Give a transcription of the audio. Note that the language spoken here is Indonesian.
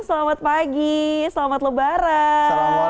selamat pagi selamat lebaran